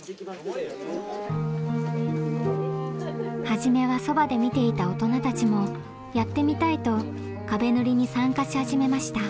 初めはそばで見ていた大人たちもやってみたいと壁塗りに参加し始めました。